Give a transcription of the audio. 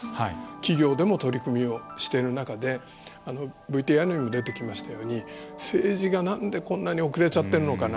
企業でも取り組みをしている中でＶＴＲにも出てきましたように政治がなんでこんなに遅れちゃってるのかな